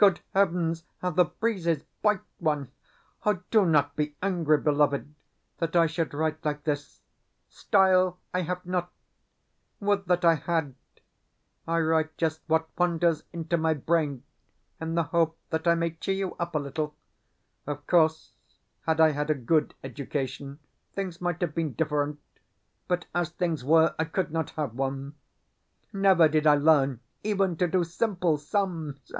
Good heavens, how the breezes bite one! Do not be angry, beloved, that I should write like this. Style I have not. Would that I had! I write just what wanders into my brain, in the hope that I may cheer you up a little. Of course, had I had a good education, things might have been different; but, as things were, I could not have one. Never did I learn even to do simple sums!